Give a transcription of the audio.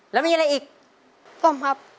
แล้วมีอะไรอีกส้มครับ